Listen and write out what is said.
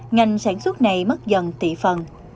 ngành sản xuất này mất dần tỷ phú